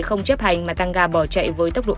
không chấp hành mà tăng ga bỏ chạy với tốc độ